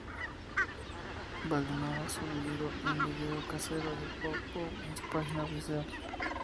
Belanova subido un video casero de "Pow Pow" en su página web oficial.